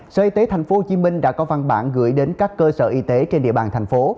sở y tế tp hcm đã có văn bản gửi đến các cơ sở y tế trên địa bàn thành phố